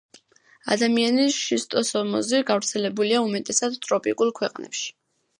ადამიანის შისტოსომოზი გავრცელებულია უმეტესად ტროპიკულ ქვეყნებში.